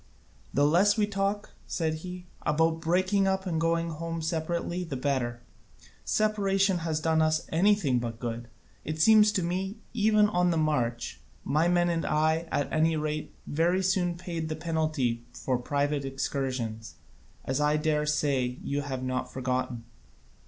"The less we talk," said he, "about breaking up and going home separately the better; separation has done us anything but good, it seems to me, even on the march. My men and I, at any rate, very soon paid the penalty for private excursions; as I dare say you have not forgotten."